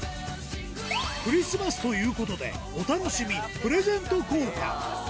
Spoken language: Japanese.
クリスマスということで、お楽しみ、プレゼント交換。